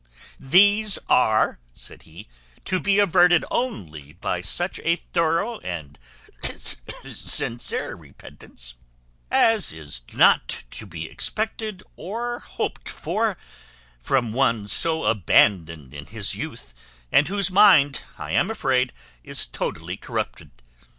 These are," said he, "to be averted only by such a thorough and sincere repentance as is not to be expected or hoped for from one so abandoned in his youth, and whose mind, I am afraid, is totally corrupted.